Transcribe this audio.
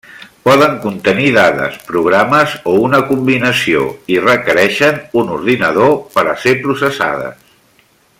Poden contenir dades, programes o una combinació, i requereixen un ordinador per a ser processades.